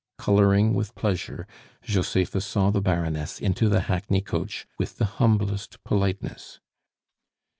Coloring with pleasure Josepha saw the Baroness into the hackney coach with the humblest politeness.